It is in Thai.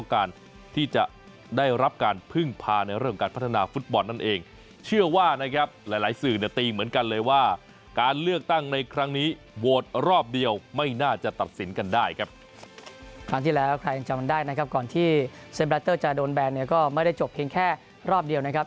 ก่อนที่เซมบราเตอร์จะโดนแบนก็ไม่ได้จบเพียงแค่รอบเดียวนะครับ